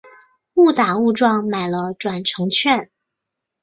误打误撞买到转乘券